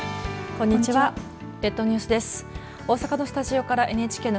こんにちは。